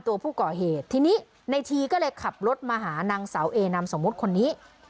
ตัวผู้ก่อเหตุทีนี้ในทีก็เลยขับรถมาหานางสาวเอนามสมมุติคนนี้